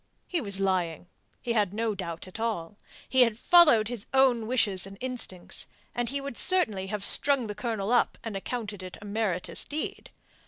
He was lying. He had no doubt at all. Had he followed his own wishes and instincts, he would certainly have strung the Colonel up, and accounted it a meritorious deed.